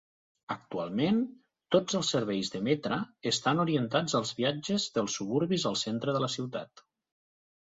Actualment tots els serveis de Metra estan orientats als viatges dels suburbis al centre de la ciutat.